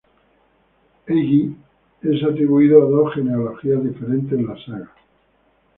Helgi es atribuido a dos genealogías diferentes en las sagas.